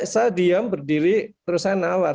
saya diam berdiri terus saya nawas